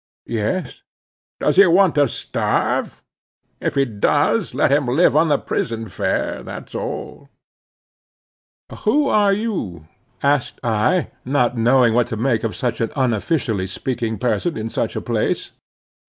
"Yes." "Does he want to starve? If he does, let him live on the prison fare, that's all." "Who are you?" asked I, not knowing what to make of such an unofficially speaking person in such a place.